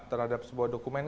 terhadap sebuah dokumen